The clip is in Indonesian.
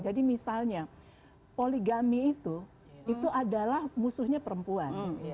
jadi misalnya poligami itu itu adalah musuhnya perempuan